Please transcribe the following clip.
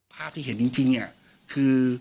ภาพที่เห็นจริงคือ